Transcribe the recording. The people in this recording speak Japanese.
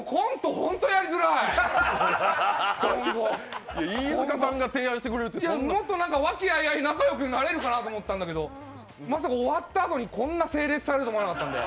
本当にやりづらい、今後もっと和気あいあい仲良くなれるかなと思ったんだけど、まさか終わったあとにこんな整列されるとは思ってなかったんで。